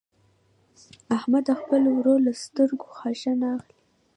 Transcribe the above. احمده د خپل ورور له سترګو خاشه نه اخلي.